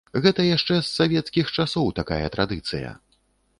Гэта яшчэ з савецкіх часоў такая традыцыя.